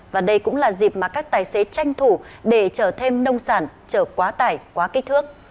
và đây cũng là dịp mà các tài xế tranh thủ để chở thêm nông sản chở quá tải quá kích thước